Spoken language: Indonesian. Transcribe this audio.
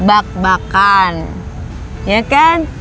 bak bakan ya kan